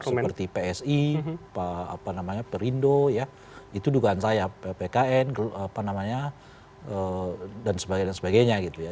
seperti psi perindo itu dugaan saya pkn dan sebagainya